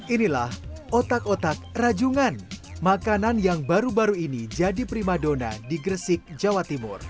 inilah otak otak rajungan makanan yang baru baru ini jadi prima dona di gresik jawa timur